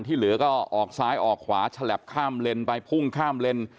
เหลือก็ออกซ้ายออกขวาฉลับข้ามเลนไปพุ่งข้ามเลน